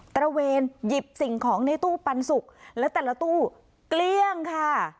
ระเวนหยิบสิ่งของในตู้ปันสุกและแต่ละตู้เกลี้ยงค่ะ